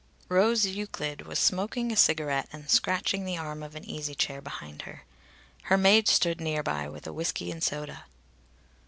Rose Euclid was smoking a cigarette and scratching the arm of an easy chair behind her. Her maid stood near by with a whisky and soda.